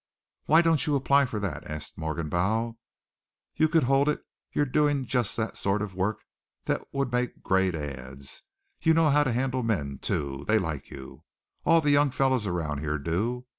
"Why don't you apply for that?" asked Morgenbau. "You could hold it. You're doing just the sort of work that would make great ads. You know how to handle men, too. They like you. All the young fellows around here do.